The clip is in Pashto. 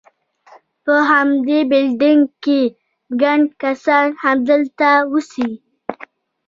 په همدې بلډینګ کې، ګڼ کسان همدلته اوسي.